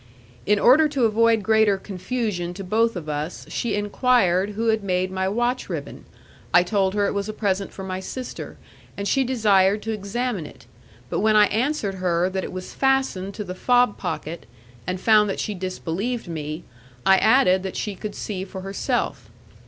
In order to avoid greater confusion to both of us, she enquired who had made my watch ribbon; I told her it was a present from my sister, and she desired to examine it, but when I answered her that it was fastened to the fob pocket, and found that she disbelieved me, I added that she could see for herself.